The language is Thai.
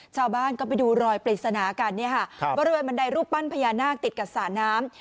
ชาวบ้านก็ไปดูรอยปริศนากันเนี่ยค่ะบริเวณบันไดรูปปั้นพญานาคติดกับสระน้ำ